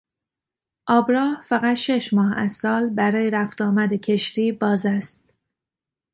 آبراه فقط شش ماه از سال برای رفت و آمد کشتی باز است.